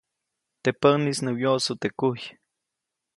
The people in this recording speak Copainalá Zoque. Teʼ päʼnis nä wyoʼsu teʼ kuy.